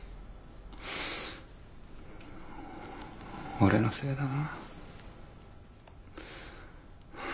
俺のせいだな。